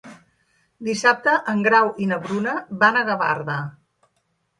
Dissabte en Grau i na Bruna van a Gavarda.